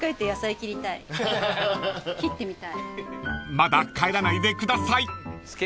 ［まだ帰らないでください］